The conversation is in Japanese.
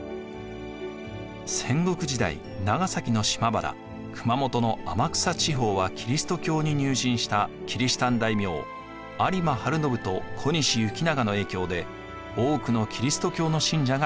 戦国時代長崎の島原熊本の天草地方はキリスト教に入信したキリシタン大名有馬晴信と小西行長の影響で多くのキリスト教の信者がいました。